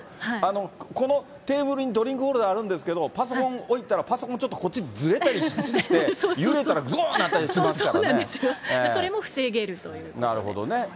このテーブルにドリンクホルダーあるんですけど、パソコン置いたら、パソコンちょっとこっちにずれたりして、揺れたらぐおーそうなんですよ、それも防げなるほどね。